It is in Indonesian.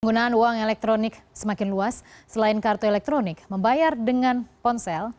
penggunaan uang elektronik semakin luas selain kartu elektronik membayar dengan ponsel